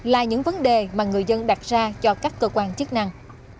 là những vấn đề mà người dân đặt ra cho các cơ quan chức năng